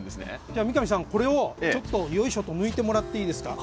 じゃ三上さんこれをよいしょと抜いてもらっていいですか。